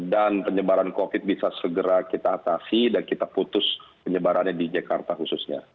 dan penyebaran covid bisa segera kita atasi dan kita putus penyebarannya di jakarta khususnya